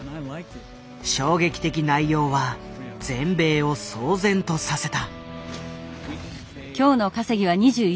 衝撃的内容は全米を騒然とさせた。